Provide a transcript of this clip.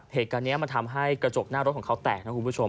เหตุการณ์นี้มันทำให้กระจกหน้ารถของเขาแตกนะคุณผู้ชม